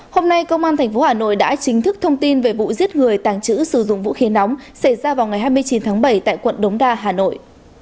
hôm nay công an tp hà nội đã chính thức thông tin về vụ giết người tàng trữ sử dụng vũ khí nóng xảy ra vào ngày hai mươi chín tháng bảy tại quận đống đa hà nội